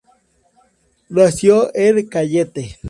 Nació en Cañete.